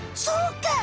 そうか！